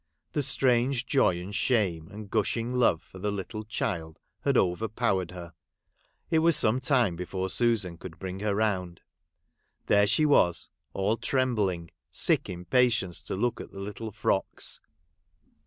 The strange joy and shame, and gushing love for the little child had overpowered her ; it was some time before Susan could bring her round. There she was all trembling, sick impatience to look at the little frocks.